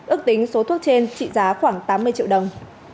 ước tính số thuốc trên trị giá khoảng tám mươi triệu đồng